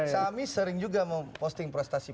kami sering juga memposting prestasi